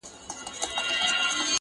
سړي خلګو ته ویله لاس مو خلاص دئ.